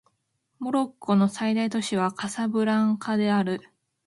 モロッコの最大都市はカサブランカである